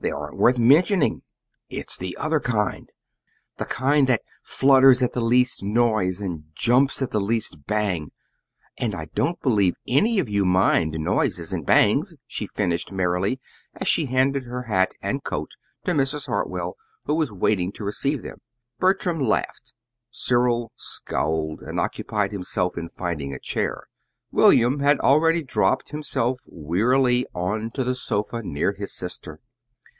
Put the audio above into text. They aren't worth mentioning. It's the other kind the kind that flutters at the least noise and jumps at the least bang! And I don't believe any of you mind noises and bangs," she finished merrily, as she handed her hat and coat to Mrs. Hartwell, who was waiting to receive them. Bertram laughed. Cyril scowled, and occupied himself in finding a chair. William had already dropped himself wearily on to the sofa near his sister.